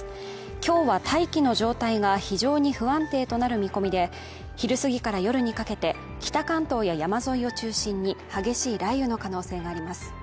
きょうは大気の状態が非常に不安定となる見込みで昼過ぎから夜にかけて北関東や山沿いを中心に激しい雷雨の可能性があります